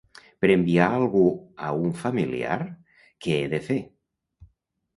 Per enviar algú a un familiar, què he de fer?